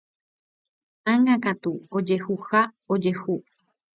Ág̃akatu, ojehuha, ojehu.